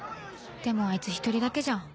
でもあいつ１人だけじゃん。